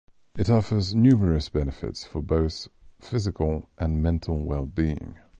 It offers numerous benefits for both physical and mental well-being.